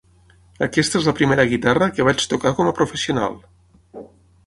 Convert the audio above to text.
Aquesta és la primera guitarra que vaig tocar com a professional.